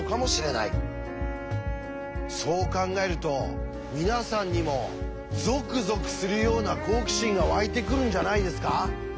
そう考えると皆さんにもゾクゾクするような好奇心がわいてくるんじゃないですか？